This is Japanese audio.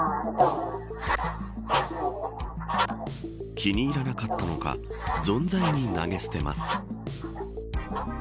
気に入らなかったのかぞんざいに投げ捨てます。